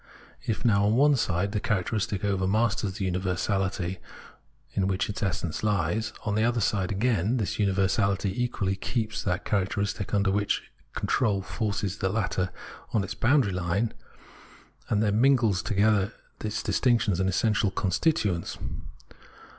If, now, on one side, the characteristic overmasters the universahty in which its essence lies, on the other side, again, this universality equally keeps that characteristic under control, forces the latter on to its boundary Une, and there mingles together its distinctions and its essential constituents.